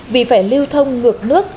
vì phải lưu thông ngược nước